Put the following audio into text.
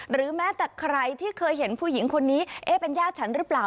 หรือแม้แต่ใครที่เคยเห็นผู้หญิงคนนี้เอ๊ะเป็นญาติฉันหรือเปล่า